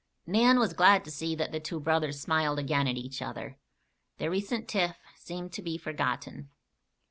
Nan was glad to see that the two brothers smiled again at each other. Their recent tiff seemed to be forgotten.